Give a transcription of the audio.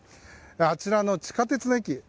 あちらの地下鉄の駅